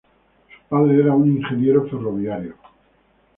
Su padre era un ingeniero ferroviario.